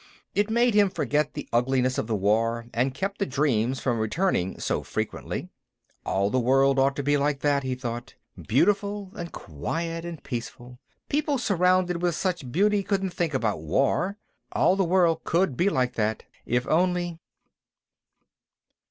It made him forget the ugliness of the war, and kept the dreams from returning so frequently. All the world ought to be like that, he thought; beautiful and quiet and peaceful. People surrounded with such beauty couldn't think about war. All the world could be like that, if only....